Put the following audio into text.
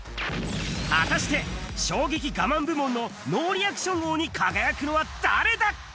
果たして、衝撃我慢部門のノーリアクション王に輝くのは誰だ？